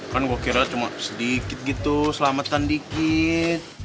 kan gue kiranya cuma sedikit gitu selamatan dikit